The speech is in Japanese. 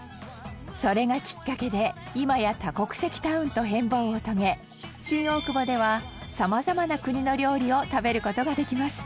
それがきっかけで、今や多国籍タウンと変貌を遂げ新大久保では、さまざまな国の料理を食べる事ができます